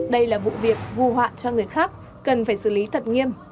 đây là vụ việc vô hoạn cho người khác cần phải xử lý thật nghiêm